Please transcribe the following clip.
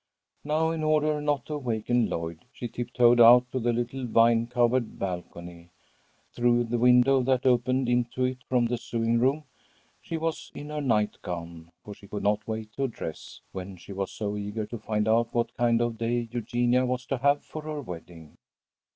Now in order not to awaken Lloyd she tiptoed out to the little vine covered balcony, through the window that opened into it from the sewing room. She was in her nightgown, for she could not wait to dress, when she was so eager to find out what kind of a day Eugenia was to have for her wedding.